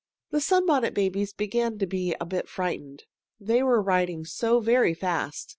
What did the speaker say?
The Sunbonnet Babies began to be a bit frightened, they were riding so very fast.